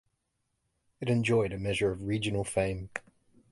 It enjoyed a measure of regional fame.